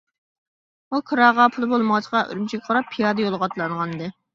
ئۇ كىراغا پۇلى بولمىغاچقا ئۈرۈمچىگە قاراپ پىيادە يولغا ئاتلانغانىدى.